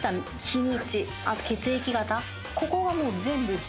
ここがもう。